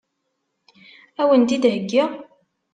Ad wen-t-id-heggiɣ?